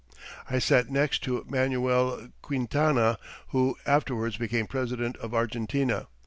I sat next to Manuel Quintana who afterwards became President of Argentina.